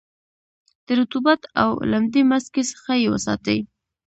د رطوبت او لمدې مځکې څخه یې وساتی.